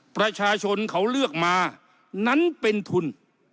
ประชาชนเขาเลือกมานั้นเป็นทุน